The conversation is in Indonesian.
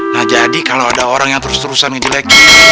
nah jadi kalau ada orang yang terus terusan nginjak harga diri